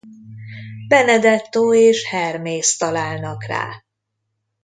Benedetto és Hermész találnak rá.